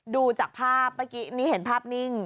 ดูจากภาพวันนี้เห็นแรงผิว